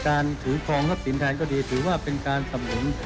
การถือทองและเปลี่ยนแทนก็ดีถือว่าเป็นการสำหนุน